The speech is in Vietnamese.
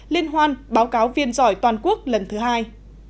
liên hoan báo cáo viên giỏi toàn quốc lần thứ hai